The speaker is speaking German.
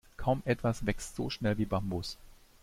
Kaum etwas wächst so schnell wie Bambus.